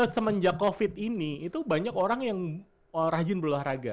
semenjak covid ini itu banyak orang yang rajin berolahraga